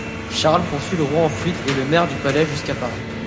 Charles poursuit le roi en fuite et le maire du palais jusqu'à Paris.